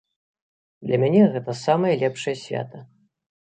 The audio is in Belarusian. Для мяне гэта самае лепшае свята.